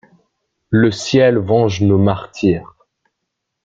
Le Ciel venge nos martyrs !